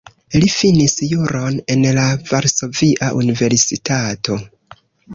Li finis juron en la Varsovia Universitato.